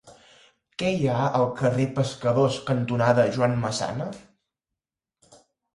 Què hi ha al carrer Pescadors cantonada Joan Massana?